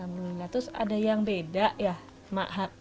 terus ada yang beda ya mahat